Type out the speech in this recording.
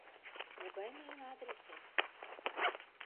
Могай мыйын адресем?